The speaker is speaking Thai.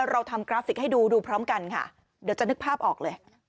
เราทำกราฟิกให้ดูดูพร้อมกันค่ะเดี๋ยวจะนึกภาพออกเลย